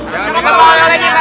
jangan dibawa lagi bang be